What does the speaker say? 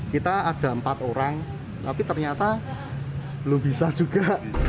kita ada empat orang tapi ternyata belum bisa juga